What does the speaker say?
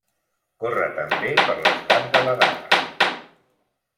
Corre també per l'estat de Ladakh.